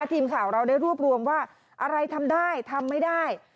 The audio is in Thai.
ทีมข่าวเราได้รวบรวมว่าอะไรทำได้ทำไม่ได้